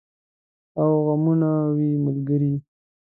او غمونه وي ملګري